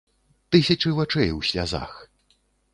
Тысячы вачэй у слязах.